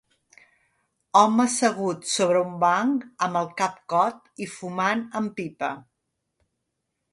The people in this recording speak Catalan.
Home assegut sobre un banc amb el cap cot i fumant amb pipa.